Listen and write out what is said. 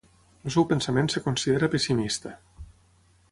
El seu pensament es considera pessimista.